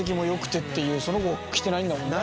その子が来てないんだもんね。